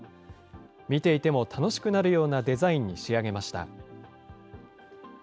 見ていても楽しくなるようなデザインに仕上げました。